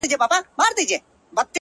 زما د اوښکي ـ اوښکي ژوند يوه حصه راوړې’